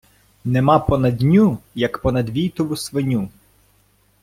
Нема понад ню, як понад війтову свиню.